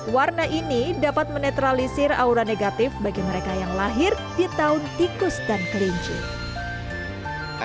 warna ini dapat menetralisir aura negatif bagi mereka yang lahir di tahun tikus dan kelinci